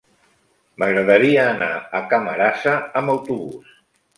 M'agradaria anar a Camarasa amb autobús.